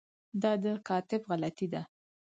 دا د کاتب غلطي ده.